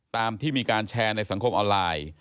ตามที่มีการแชร์ในสังคมออนไลน์